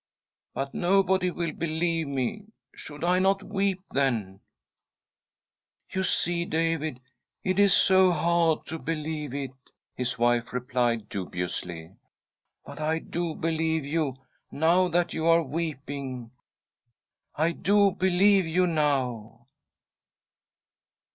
But nobody will believe me. Should I not weep then ?"" You see, David, it is so hard to believe it," his . m THE DRIVER'S PRAYER 189 wife replied dubiously ; but I do believe you, now that you are weeping. I do believe you now."